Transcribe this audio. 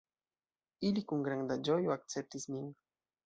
Ili kun granda ĝojo akceptis min.